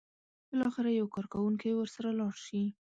بالاخره یو کارکوونکی ورسره لاړ شي.